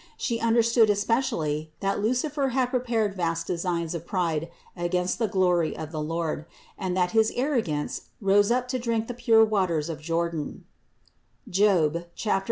She understood especially that Lucifer had prepared vast designs of pride against the glory of the Lord; and that his arrogance rose up to drink the pure waters of Jordan (Job 40, 18).